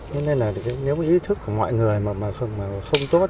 nên nếu ý thức của mọi người không tốt